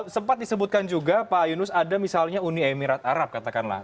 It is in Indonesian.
sempat disebutkan juga pak yunus ada misalnya uni emirat arab katakanlah